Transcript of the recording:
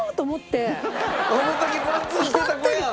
あの時文通してた子やん！